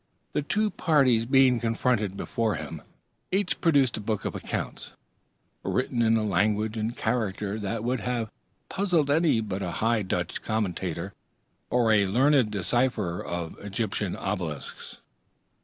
The two parties being confronted before him, each produced a book of accounts, written in a language and character that would have puzzled any but a High Dutch commentator, or a learned decipherer of Egyptian obelisks.